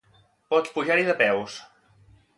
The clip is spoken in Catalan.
Pots pujar-hi de peus.